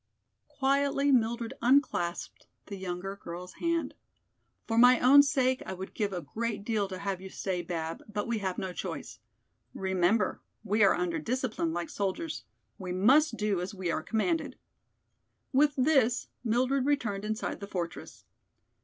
Quietly Mildred unclasped the younger girl's hand. "For my own sake I would give a great deal to have you stay, Bab, but we have no choice. Remember, we are under discipline like soldiers. We must do as we are commanded." With this Mildred returned inside the fortress.